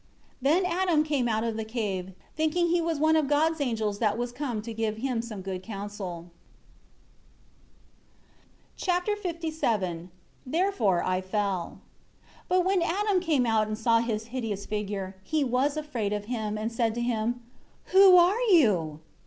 13 Then Adam came out of the cave, thinking he was one of God's angels that was come to give him some good counsel. Chapter LVII "Therefore I fell. ..." 1 But when Adam came out and saw his hideous figure, he was afraid of him, and said to him, "Who are you?"